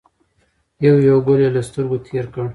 یو یو ګل یې له سترګو تېر کړ.